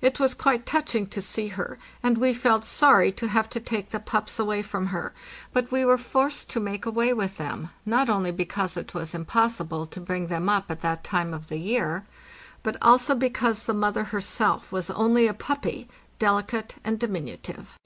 It was quite touching to see her, and we felt sorry to have to take the pups away from her; but we were forced to make away with them, not only because it was impossible to bring them up at that time of the year, but also because the mother herself was only a puppy, delicate and diminutive.